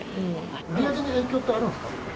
売り上げに影響ってあるんですか。